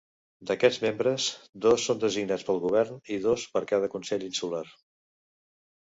D'aquests membres, dos són designats pel Govern i dos per cada consell insular.